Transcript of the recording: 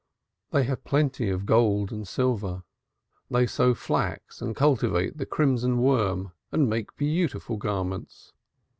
They have plenty of gold and silver; they sow flax and cultivate the crimson worm, and make beautiful garments.